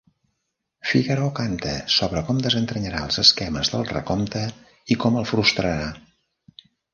Figaro canta sobre com desentranyarà els esquemes del recompte i com el frustrarà.